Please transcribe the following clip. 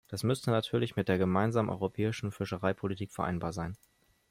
Das müsste natürlich mit der gemeinsamen europäischen Fischereipolitik vereinbar sein.